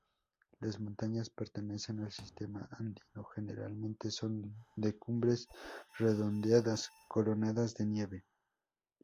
Las montañas pertenecen al sistema andino, generalmente son de cumbres redondeadas coronadas de nieve.